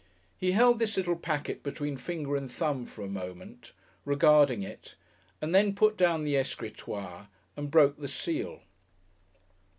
He held this little packet between finger and thumb for a moment, regarding it, and then put down the escritoire and broke the seal....